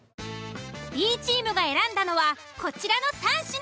Ｂチームが選んだのはこちらの３品。